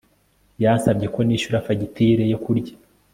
yansabye ko nishyura fagitire yo kurya